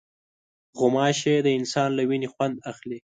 غوماشې د انسان له وینې خوند اخلي.